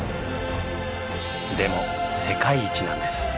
でも世界一なんです。